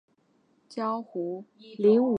栖息在珊瑚茂密的礁湖。